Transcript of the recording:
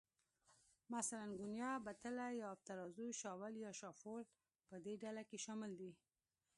مثلاً، ګونیا، بتله یا آبترازو، شاول یا شافول په دې ډله کې شامل دي.